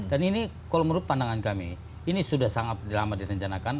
dan ini kalau menurut pandangan kami ini sudah sangat lama direncanakan